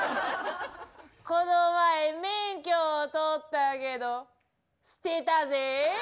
この前免許を取ったけど捨てたぜぇ。